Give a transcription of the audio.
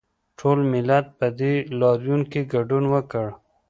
ټول ملت په دې لاریون کې ګډون وکړ